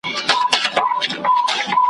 ګاونډي به دي زاغان سي ,